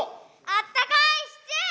あったかいシチュー！